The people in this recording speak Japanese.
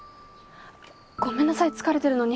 ごめんなさい疲れてるのに。